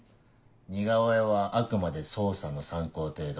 似顔絵はあくまで捜査の参考程度。